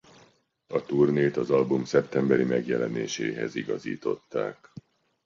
A turnét az album szeptemberi megjelenéséhez igazították.